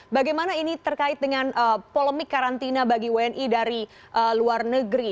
bagaimana ini terkait dengan polemik karantina bagi wni dari luar negeri